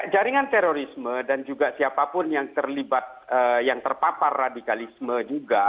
jaringan terorisme dan juga siapapun yang terlibat yang terpapar radikalisme juga